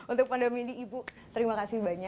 untuk pandemi ini ibu terima kasih banyak